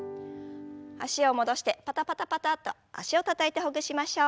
脚を戻してパタパタパタッと脚をたたいてほぐしましょう。